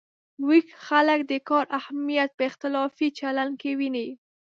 ویښ خلک د کار اهمیت په اختلافي چلن کې ویني.